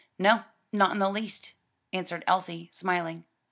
"No, not in the least," answered Elsie, smiling.